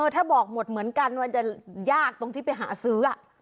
ถ้าบอกหมดเหมือนกันว่าจะยากตรงที่ไปหาซื้อ